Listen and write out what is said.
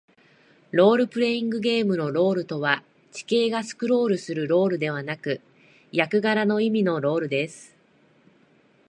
ロールプレイングゲームのロールとは、地形がスクロールするロールではなく、役柄の意味のロールです。